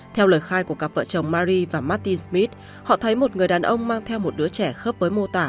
theo lời khai của các vợ chồng marie và martin smith họ thấy một người đàn ông mang theo một đứa trẻ khớp với mô tả